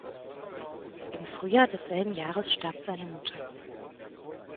Im Frühjahr desselben Jahres starb seine Mutter.